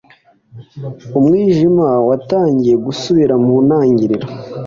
umwijima watangiye gusubira mu ntangiriro